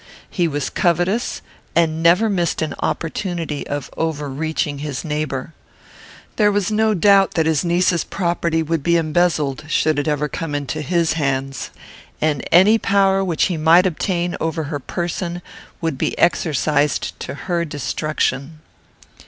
He was covetous, and never missed an opportunity of overreaching his neighbour. There was no doubt that his niece's property would be embezzled should it ever come into his hands, and any power which he might obtain over her person would be exercised to her destruction.